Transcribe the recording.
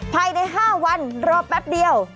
ภายใน๕วันรอแป๊บเดียว